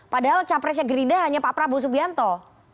padahal capresnya gerindra hanya pak prabowo subianto